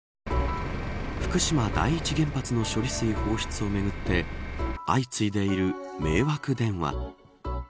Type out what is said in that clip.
福島第１原発の処理水放出をめぐって相次いでいる迷惑電話。